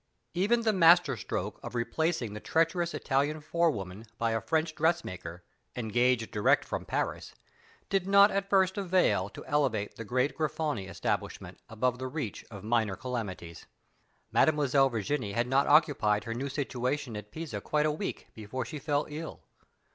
Even the master stroke of replacing the treacherous Italian forewoman by a French dressmaker, engaged direct from Paris, did not at first avail to elevate the great Grifoni establishment above the reach of minor calamities. Mademoiselle Virginie had not occupied her new situation at Pisa quite a week before she fell ill.